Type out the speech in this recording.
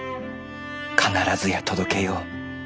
必ずや届けよう。